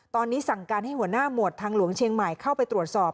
ตอนนี้สั่งการให้หัวหน้าหมวดทางหลวงเชียงใหม่เข้าไปตรวจสอบ